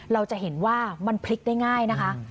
เราจะเห็นว่ามันพลิกได้ง่ายนะคะ